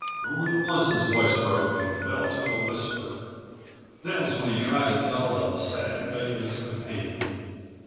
Only once his voice broke and fell to a whisper. That was when he210 tried to tell of the sad fate of his companion.